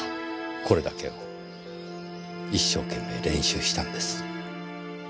これだけを一生懸命練習したんです。